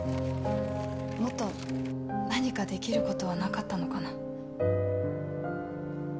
もっと何かできることはなかったのかな